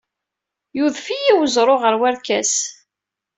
Yudef-iyi weẓru ɣer werkas.